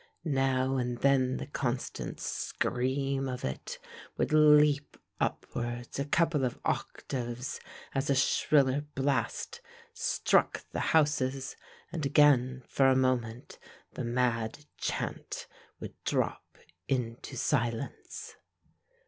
Now and then the constant scream of it would leap upwards a couple of octaves as a shriller blast struck the houses and again for a moment the mad chant would drop into silence.